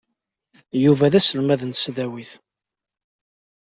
Yuba d aselmad n tesdawit.